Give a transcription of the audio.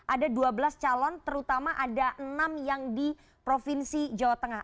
ada dua belas calon terutama ada enam yang di provinsi jawa tengah